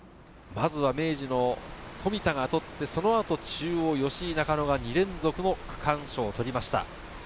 まずは明治の富田が取って、その後、中央・吉居、中野が２連続の区間賞を取りました。